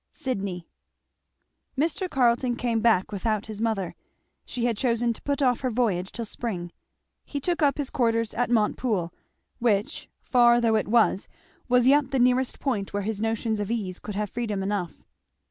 Sidney. Mr. Carleton came back without his mother; she had chosen to put off her voyage till spring. He took up his quarters at Montepoole, which, far though it was, was yet the nearest point where his notions of ease could have freedom enough.